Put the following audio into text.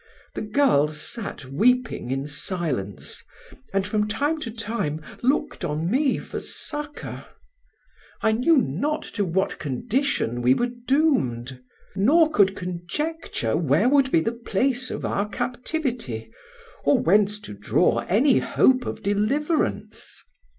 The girls sat weeping in silence, and from time to time looked on me for succour. I knew not to what condition we were doomed, nor could conjecture where would be the place of our captivity, or whence to draw any hope of deliverance.